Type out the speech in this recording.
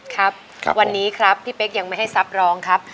ครับวันนี้ครับพี่เป๊กยังไม่ให้ทรัพย์ร้องครับ